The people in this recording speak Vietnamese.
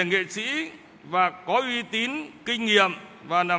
nghệ sĩ và có uy tín kinh nghiệm và nằm